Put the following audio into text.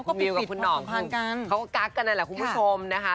คุณมิวกับคุณหนอมเขาก็กั๊กกันแหละคุณผู้ชมนะคะ